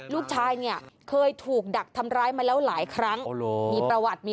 ลูกชายเนี่ยเคยถูกดักทำร้ายมาแล้วหลายครั้งมีประวัติมี